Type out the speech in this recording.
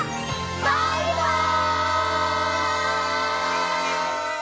バイバイ！